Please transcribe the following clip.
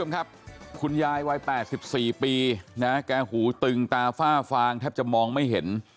คุณยายวาย๘๔ปีแก่หูตึงตาฟ้าฟางแทบจะมองไม่เห็น